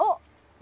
何？